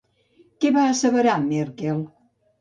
Què va asseverar, Merkel?